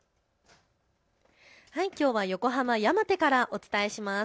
きょう横浜山手からお伝えします。